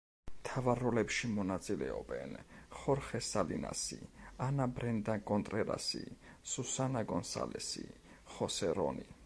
მთავარ როლებში მონაწილეობენ: ხორხე სალინასი, ანა ბრენდა კონტრერასი, სუსანა გონსალესი, ხოსე რონი.